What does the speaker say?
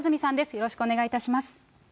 よろしくお願いします。